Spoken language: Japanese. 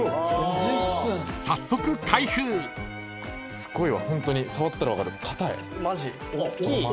すごいわホントに触ったら分かる。